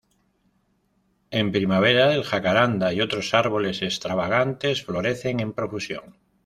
En primavera, el jacarandá y otros árboles extravagantes florecen en profusión.